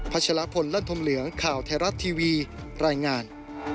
ชะลพลลั่นธมเหลืองข่าวไทยรัฐทีวีรายงาน